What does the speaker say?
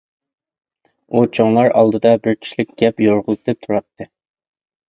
ئۇ چوڭلار ئالدىدا بىر كىشىلىك گەپ يورغىلىتىپ تۇراتتى.